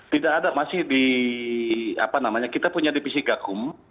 tidak ada masih di apa namanya kita punya divisi gakum